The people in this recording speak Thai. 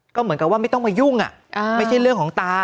ก็เหมือนกับว่าไม่ต้องมายุ่งไม่ใช่เรื่องของตา